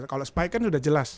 kalau spike kan udah jelas